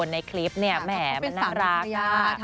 ไฮไลท์นี่นะมันไม่ได้อยู่ที่การสาบผมเท่าไรหรอกนะคะ